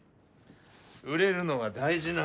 売れるのは大事なことだ。